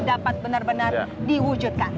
dapat benar benar diwujudkan